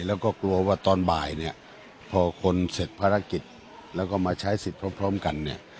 แล้วก็กลัวว่าตอนบ่ายเนี่ยพอคนเสร็จภารกิจแล้วก็มาใช้สิทธิ์พร้อมกันเนี่ย